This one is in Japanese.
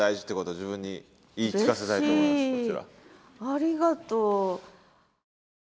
ありがとう。